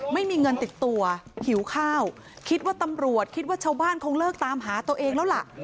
ไม่มีเงินติดตัวหิวข้าวคิดว่าตำรวจคิดว่าชาวบ้านคงเลิกตามหาตัวเองแล้วล่ะ